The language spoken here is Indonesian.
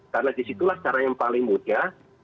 karena disitulah cara yang paling mudah